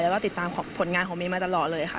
แล้วก็ติดตามผลงานของเมย์มาตลอดเลยค่ะ